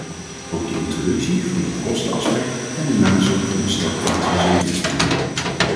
Ook de introductie van het kostenaspect en de nazorg van de stortplaatsen zijn winstpunten.